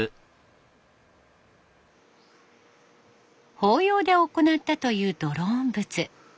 法要で行ったというドローン仏。